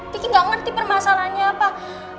kiki gak ngerti permasalahannya pak